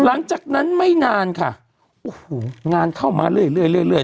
หลังจากนั้นไม่นานค่ะโอ้โหงานเข้ามาเรื่อยเรื่อยเรื่อยเรื่อย